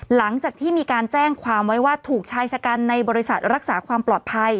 หลังจากที่มีการแจ้งความไว้ว่าถูกชายชะกันในบริษัทรักษาความปลอดภัย